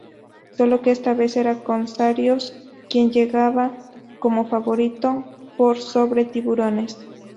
Solo que esta vez era Corsarios quien llegaba como favorito por sobre Tiburones.